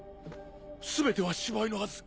全ては芝居のはず。